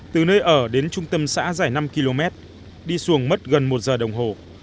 từ nơi ở đến trung tâm xã dài năm km đi xuồng mất gần một giờ đồng hồ